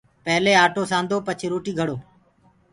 پيلي آٽو سآندو پڇي روٽيٚ گھڙو